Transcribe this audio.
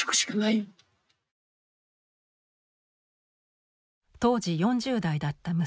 当時４０代だった息子。